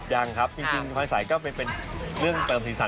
ยังครับจริงพลอยสายก็เป็นเรื่องเติมสีสัน